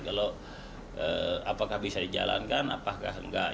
kalau apakah bisa dijalankan apakah enggak